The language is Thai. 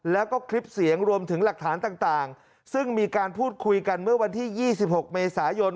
แล้วก็คลิปเสียงรวมถึงหลักฐานต่างซึ่งมีการพูดคุยกันเมื่อวันที่๒๖เมษายน